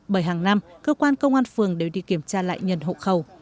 bởi hàng năm cơ quan công an phường đều đi kiểm tra lại nhân hộ khẩu